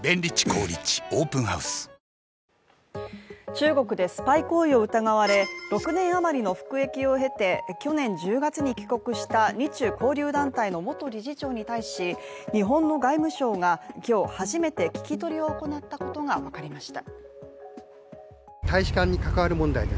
中国でスパイ行為を疑われ６年余りの服役を経て去年１０月に帰国した日中交流団体の元理事長に対し日本の外務省が今日、初めて聞き取りを行ったことが分かりました。